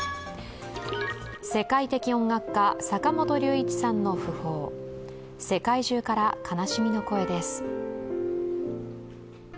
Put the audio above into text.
世界的音楽家、坂本龍一さんの訃報世界中から悲しみの声です。